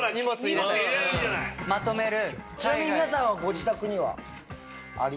まとめる？